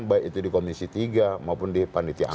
baik itu di komisi tiga maupun di panitia ang